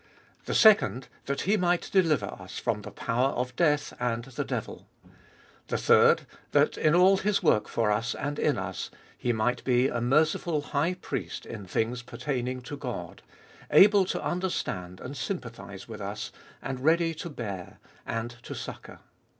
The second, that He might deliver us from the power of death and the devil. The third, that in all His work for us and in us, He might be a merciful High Priest in things pertaining to God, able to understand and sympathise with us, and ready to bear and to succour.